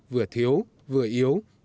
vừa thiếu vừa yếu